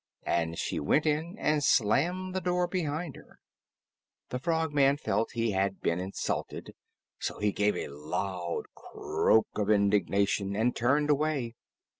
And she went in and slammed the door behind her. The Frogman felt he had been insulted, so he gave a loud croak of indignation and turned away.